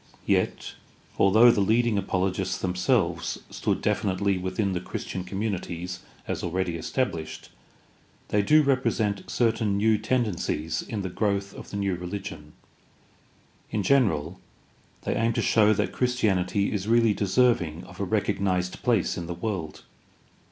Yet, although the leading apologists themselves stood definitely within the Christian communities as already established, they do represent certain new tendencies in the growth of the new religion. In general, they aim to show that Christianity is really deserving of a recognized place in the world.